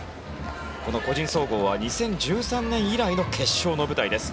この個人総合は２０１３年以来の決勝の舞台です。